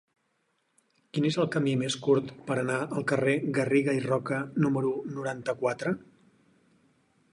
Quin és el camí més curt per anar al carrer de Garriga i Roca número noranta-quatre?